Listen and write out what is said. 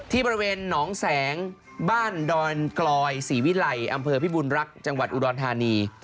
ที่บริเวณหนองแสงบ้านดอนกลอยศรีวิลัยอำเภอพิบุญรักษ์จังหวัดอุดรธานี